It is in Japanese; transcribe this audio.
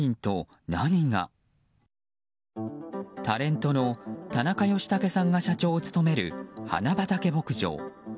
タレントの田中義剛さんが社長を務める花畑牧場。